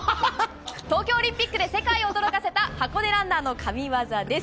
東京オリンピックで世界を驚かせた箱根ランナーの神技です。